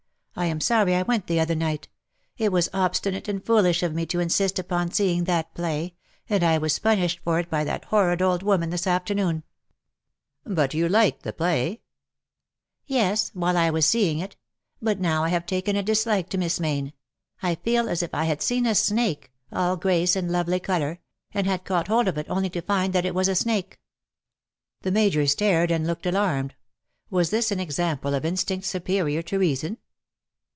I am Sony I went the other night. It was obstinate and foolish of me to insist upon seeing that play, and I was punished for it by that horrid old woman this afternoon." 252 LE SECRET DE POLICHI XELLE. " But you liked the play V " Yes — wMle I was seeing it ; but now I have taken a dislike to Miss Mayne. I feel as if I had seen a snake — all grace and lovely colour — and had caught hold of it, only to find that it was a snake/'' The Major stared and looked alarmed. Was this an example of instinct superior to reason